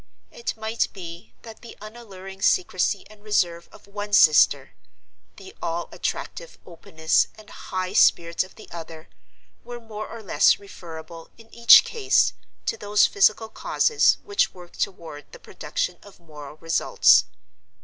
It might be that the unalluring secrecy and reserve of one sister, the all attractive openness and high spirits of the other, were more or less referable, in each case, to those physical causes which work toward the production of moral results.